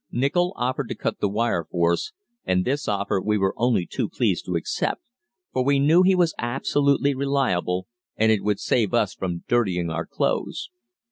Nichol offered to cut the wire for us, and this offer we were only too pleased to accept, for we knew he was absolutely reliable, and it would save us from dirtying our clothes.